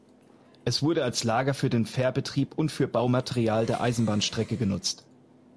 Es wurde als Lager für den Fährbetrieb und für Baumaterial der Eisenbahnstrecke genutzt.